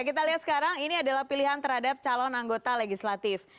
kita lihat sekarang ini adalah pilihan terhadap calon anggota legislatif